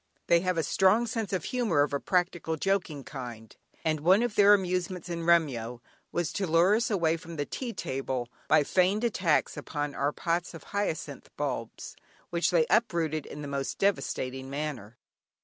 They have a strong sense of humour of a practical joking kind, and one of their amusements in Remyo was to lure us away from the tea table by feigned attacks upon our pots of hyacinth bulbs, which they uprooted in the most devastating manner.